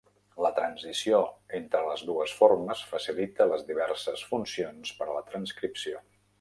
La transició entre les dues formes facilita las diverses funcions per a la transcripció.